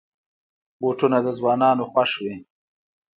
بوټونه د ځوانانو خوښ وي.